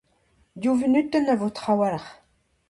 Div vunutenn a vo trawalc'h.